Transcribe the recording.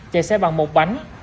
chạy xe bằng một bánh